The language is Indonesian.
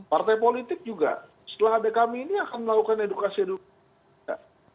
partai politik juga setelah ada kami ini akan melakukan edukasi edukasi